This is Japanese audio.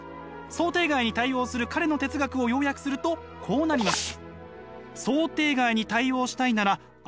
想定外に対応する彼の哲学を要約するとこうなります。